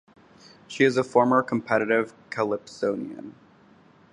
She is a former competitive calypsonian.